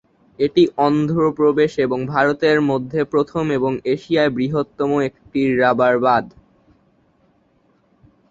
এটি অন্ধ্রপ্রদেশ এবং ভারতের মধ্যে প্রথম এবং এশিয়ার বৃহত্তম একটি রাবার বাঁধ।